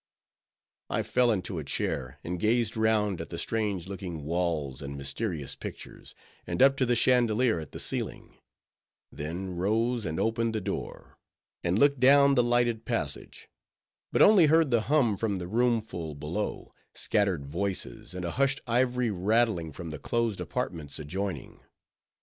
I fell into a chair, and gazed round at the strange looking walls and mysterious pictures, and up to the chandelier at the ceiling; then rose, and opened the door, and looked down the lighted passage; but only heard the hum from the roomful below, scattered voices, and a hushed ivory rattling from the closed apartments adjoining.